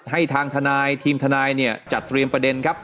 ให้ทางทนายทีมทนายเนี่ยจัดเตรียมประเด็นครับ